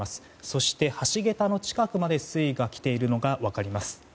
そして、橋げたの近くまで水位が来ているのが分かります。